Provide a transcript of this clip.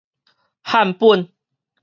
漢本